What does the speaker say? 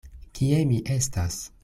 Kie mi estas?